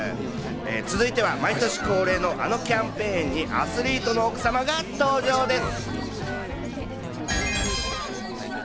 続いては毎年恒例のあのキャンペーンにアスリートの奥様が登場です。